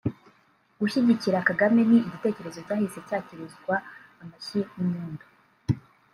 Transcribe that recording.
Gushyigikira Kagame ni igitekerezo cyahise cyakirizwa amashyi n’impundu